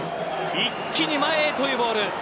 一気に前へというボール